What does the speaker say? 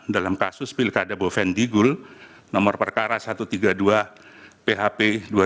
dalam kasus pilkada bovendigul nomor perkara satu ratus tiga puluh dua php dua ribu dua puluh